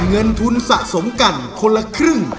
เงินทุนสะสมกันคนละครึ่ง